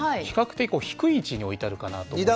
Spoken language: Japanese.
比較的低い位置に置いてあるかなと。